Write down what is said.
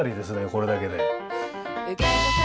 これだけで。